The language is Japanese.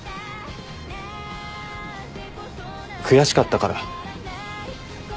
悔しかったから。